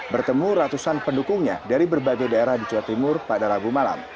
bertemu ratusan pendukungnya dari berbagai daerah di jawa timur pada rabu malam